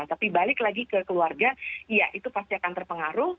tapi balik lagi ke keluarga ya itu pasti akan terpengaruh